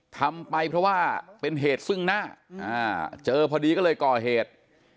ทำไปเพราะว่าเป็นเหตุซึ่งหน้าเจอพอดีก็เลยก่อเหตุ